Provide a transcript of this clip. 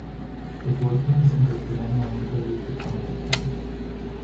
The woodwinds and the piano enter with counterpoint.